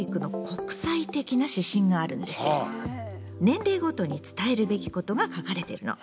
年齢ごとに伝えるべきことが書かれてるの。